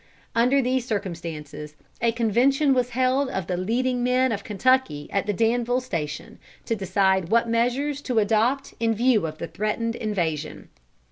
Under these circumstances, a convention was held of the leading men of Kentucky at the Danville Station, to decide what measures to adopt in view of the threatened invasion.